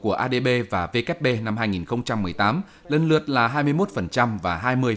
adb và vkp năm hai nghìn một mươi tám lên lượt là hai mươi một và hai mươi hai